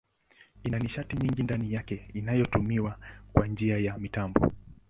Ina nishati nyingi ndani yake inayotumiwa kwa njia ya mitambo.